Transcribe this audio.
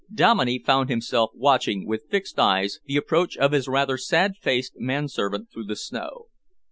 Dominey found himself watching with fixed eyes the approach of his rather sad faced manservant through the snow.